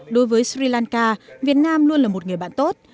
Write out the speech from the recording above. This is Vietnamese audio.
đối với sri lanka việt nam luôn là một người bạn tốt